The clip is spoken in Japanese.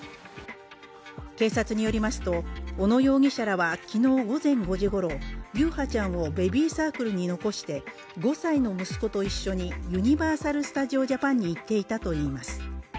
警察によりますと、小野容疑者らは昨日午前５時ごろ優陽ちゃんをベビーサークルに残して５歳の息子と一緒にユニバーサル・スタジオ・ジャパンに行っていたといいます。